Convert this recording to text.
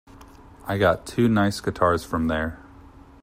I got two nice guitars from there.